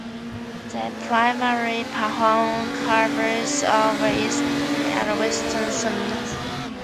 They primarily perform covers of Eastern and Western songs.